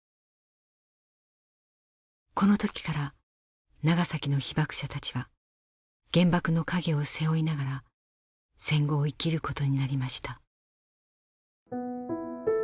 この時から長崎の被爆者たちは原爆の影を背負いながら戦後を生きることになりました。